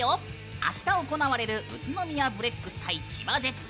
あした行われる宇都宮ブレックス対千葉ジェッツ。